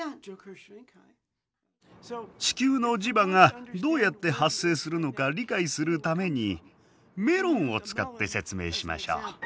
地球の磁場がどうやって発生するのか理解するためにメロンを使って説明しましょう。